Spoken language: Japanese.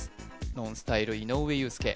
ＮＯＮＳＴＹＬＥ井上裕介